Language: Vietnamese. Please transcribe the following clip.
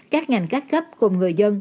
các ngành các cấp cùng người dân